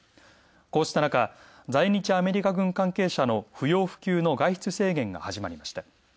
こうした中、在日アメリカ軍関係者の不要不急の外出制限が始まりました。